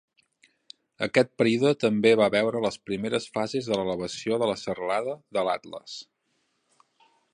Aquest període també va veure les primeres fases de l'elevació de la serralada de l'Atlas.